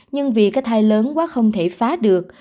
nhưng vì cái thai lớn quá không thể phá được